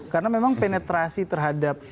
karena memang penetrasi terhadap